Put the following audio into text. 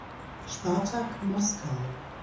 Spartak Moskau